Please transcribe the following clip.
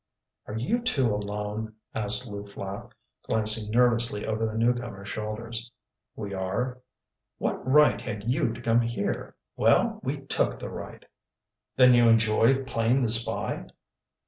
"Are you two alone?" asked Lew Flapp, glancing nervously over the newcomers' shoulders. "We are." "What right had you to come here?" "Well, we took the right." "Then you enjoy playing the spy?"